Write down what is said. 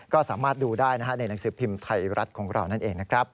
ก็สามารถดูได้ในหนังสือพิมพ์ไทยรัฐของเรานั่นเองนะครับ